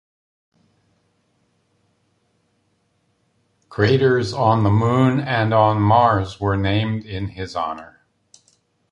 Craters on the Moon and on Mars were named in his honor.